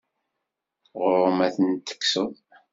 Ɣur-m ad ten-tekseḍ.